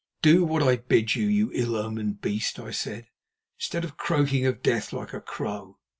"Do what I bid you, you ill omened beast," I said, "instead of croaking of death like a crow.